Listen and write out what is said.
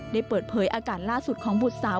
ได้เปิดเผยอาการล่าสุดของบุตรสาว